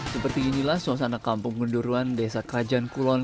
seperti inilah suasana kampung gunduruan desa kerajaan kulon